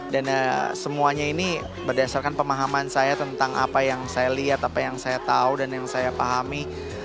dan semuanya ini berdasarkan pemahaman saya tentang apa yang saya lihat apa yang saya tahu dan yang saya pahami